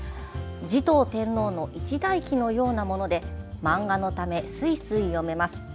持統天皇の一代記のようなもので漫画のためすいすい読めます。